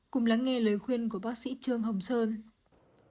cùng lắng nghe lời khuyên của bác sĩ trương hồng sơn